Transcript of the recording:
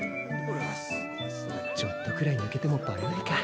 ちょっとくらいぬけてもバレないか。